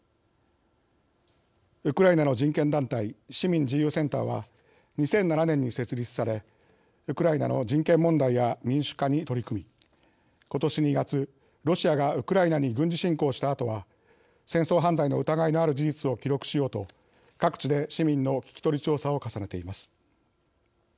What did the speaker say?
ウクライナの人権団体市民自由センターは２００７年に設立されウクライナの人権問題や民主化に取り組み今年２月、ロシアがウクライナに軍事侵攻したあとは戦争犯罪の疑いのある事実を記録しようと各地で市民の聞き取り調査を重ねています。